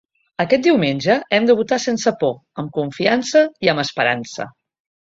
“Aquest diumenge hem de votar sense por, amb confiança i amb esperança”.